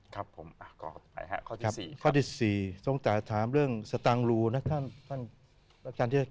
ข้อสามครับ